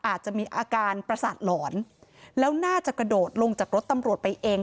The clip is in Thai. อาจจะมีอาการประสาทหลอนแล้วน่าจะกระโดดลงจากรถตำรวจไปเอง